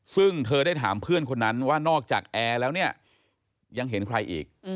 ซึ่งเธอได้ถามเพื่อนคนนั้นว่านอกจากแอร์แล้วเนี่ยยังเห็นใครอีก